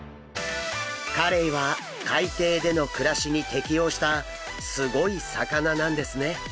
カレイは海底での暮らしに適応したすごい魚なんですね。